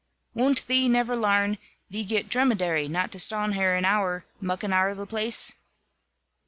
"Wun't thee never larn, thee girt drummedary, not to ston there an hour, mucking arl the place?"